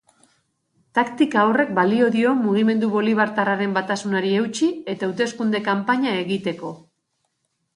Taktika horrek balio dio mugimendu bolibartarraren batasunari eutsi eta hauteskunde kanpaina egiteko.